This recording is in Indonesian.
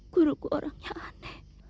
guruku orangnya aneh